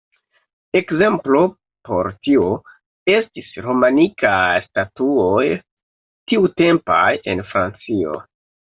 Ekzemplo por tio estis romanikaj statuoj tiutempaj en Francio.